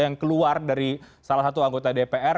yang keluar dari salah satu anggota dpr